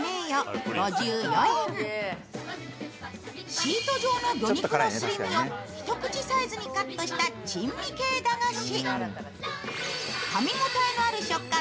シート状の魚肉のすり身を一口サイズにカットした珍味系の駄菓子。